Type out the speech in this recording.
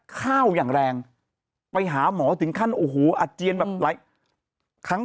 ข้าวอย่างแรงไปหาหมอถึงขั้นโอ้โหอาเจียนแบบหลายครั้ง